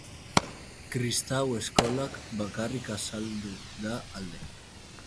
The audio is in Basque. Kristau Eskolak bakarrik azaldu da alde.